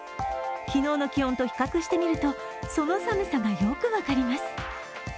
昨日の気温と比較してみると、その寒さがよく分かります。